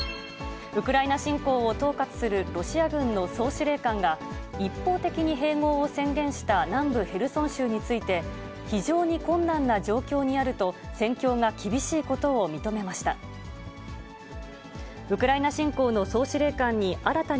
ウクライナ侵攻を統括するロシア軍の総司令官が、一方的に併合を宣言した南部ヘルソン州について、非常に困難な状況にあると、戦況が厳しいことを認めました。